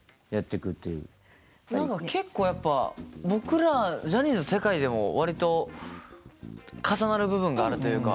何か結構やっぱ僕らジャニーズの世界でも割と重なる部分があるというか。